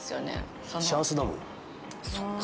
そっか。